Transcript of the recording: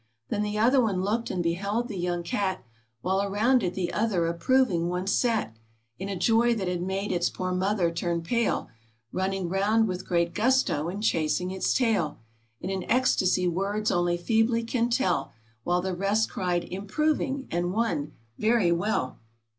Then the other one looked, and beheld the young cat, While around it the other approving ones sat, In a joy that had made its poor mother turn pale, Bunning 'round with great gusto, and chasing its tail, In an ecstasy words only feebly can tell ; While the rest cried, " Improving," and one " Very well